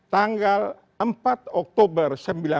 tanggal empat oktober